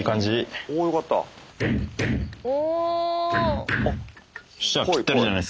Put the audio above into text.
お！